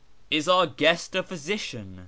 Is our guest a physician ?